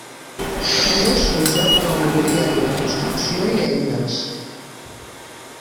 També s'usa per al mobiliari, la construcció i eines.